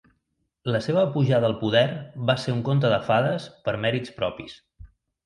La seva pujada al poder va ser un conte de fades per mèrits propis.